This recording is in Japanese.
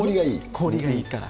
氷がいいから。